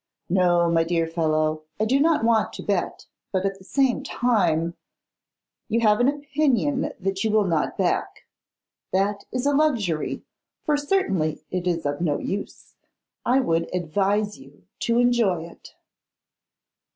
'No, my dear fellow, I do not want to bet, but at the same time ' 'You have an opinion that you will not back. That is a luxury, for certainly it is of no, use. I would advise you to enjoy it.